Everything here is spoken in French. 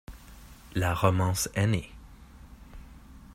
La romance est née.